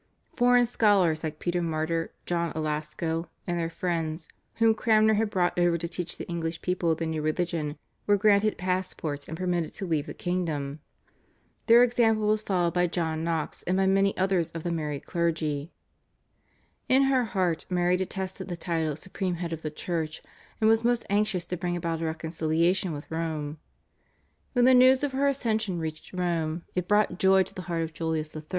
Foreign scholars like Peter Martyr, John à Lasco and their friends, whom Cranmer had brought over to teach the English people the new religion, were granted passports and permitted to leave the kingdom. Their example was followed by John Knox, and by many others of the married clergy. In her heart Mary detested the title supreme head of the Church, and was most anxious to bring about a reconciliation with Rome. When the news of her accession reached Rome it brought joy to the heart of Julius III.